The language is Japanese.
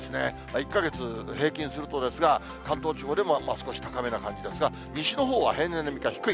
１か月平均するとですが、関東地方でも少し高めな感じですが、西のほうは平年並みか低い。